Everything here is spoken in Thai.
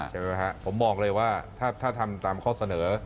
ใช่ไหมครับผมบอกเลยว่าถ้าทำตามข้อเสนอ